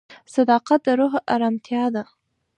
صداقت د روح ارامتیا ده.